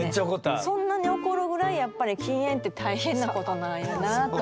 そんなに怒るぐらいやっぱり禁煙って大変なことなんやなぁと。